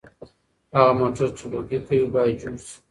هغه موټر چې لوګي کوي باید جوړ شي.